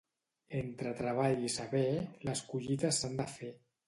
Entre treball i saber, les collites s'han de fer.